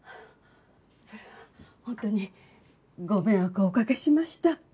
それは本当にご迷惑をおかけしました。